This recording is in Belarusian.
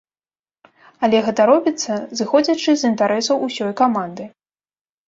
Але гэта робіцца, зыходзячы з інтарэсаў усёй каманды.